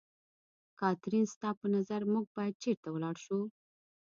کاترین، ستا په نظر موږ باید چېرته ولاړ شو؟